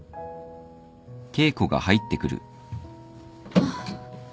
あっ。